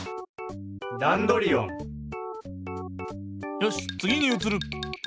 よしつぎにうつる。